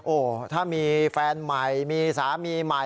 โอ้โหถ้ามีแฟนใหม่มีสามีใหม่